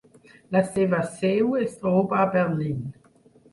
La seva seu es troba a Berlín.